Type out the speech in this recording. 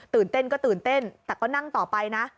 เต้นก็ตื่นเต้นแต่ก็นั่งต่อไปนะ